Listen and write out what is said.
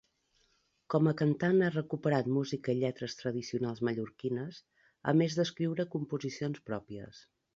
Com a cantant, ha recuperat música i lletres tradicionals mallorquines, a més d'escriure composicions pròpies.